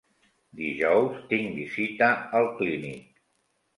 Dijous tinc visita al clínic.